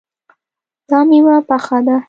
دا میوه پخه ده